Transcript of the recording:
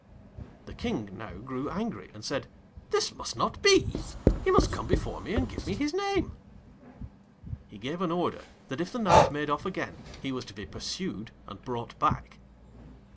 The King now grew angry, and said, 'This must not be; he must come before me and give me his name.' He gave an order that if the Knight made off again he was to be pursued and brought back.